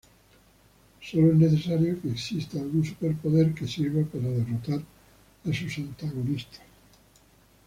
Solo es necesario que exista algún superpoder que sirva para derrotar a sus antagonistas.